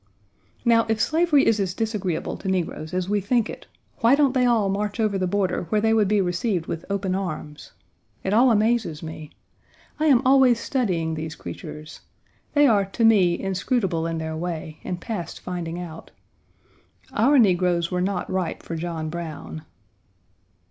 Now if slavery is as disagreeable to negroes as we think it, why don't they all march over the border where they would be received with open arms? It all amazes me. I am always studying these creatures. They are to me inscrutable in their way and past finding out. Our negroes were not ripe for John Brown.